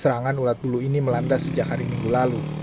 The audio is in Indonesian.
serangan ulat bulu ini melanda sejak hari minggu lalu